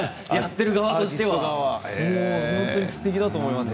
やっている方としては本当にすてきだと思います。